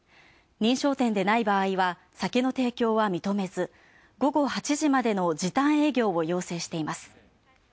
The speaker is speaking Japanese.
認証店でない場合は酒の提供は認めず午後８時までの時短営業を要請しています。